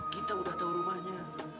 kita udah tau rumahnya